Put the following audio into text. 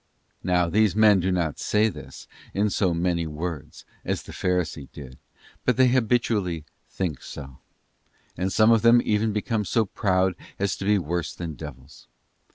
'* Now these men do not say this in so many words, as the Pharisee did, but they habitually think so; and some of them even become so proud as to be worse than devils.